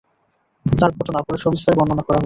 তার ঘটনা পরে সবিস্তারে বর্ণনা করা হবে।